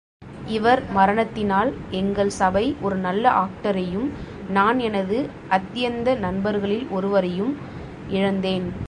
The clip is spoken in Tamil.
இவர் மரணத்தினால் எங்கள் சபை ஒரு நல்ல ஆக்டரையும், நான் எனது அத்யந்த நண்பர்களில் ஒருவரையும் இழந்தேன்.